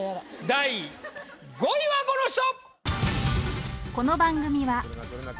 第５位はこの人！